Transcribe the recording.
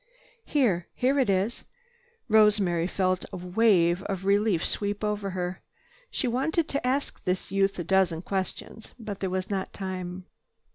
"Here! Here it is." Rosemary felt a great wave of relief sweep over her. She wanted to ask this youth a dozen questions, but there was not time.